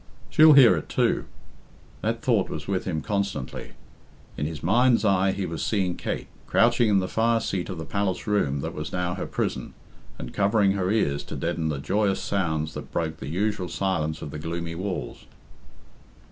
"She'll hear it, too." That thought was with him constantly. In his mind's eye he was seeing Kate, crouching in the fire seat of the palace room that was now her prison, and covering her ears to deaden the joyous sounds that broke the usual silence of the gloomy walls.